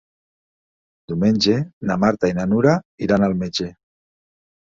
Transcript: Diumenge na Marta i na Nura iran al metge.